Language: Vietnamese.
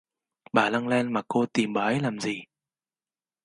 Bà lăng len mà cô tìm bà ấy làm gì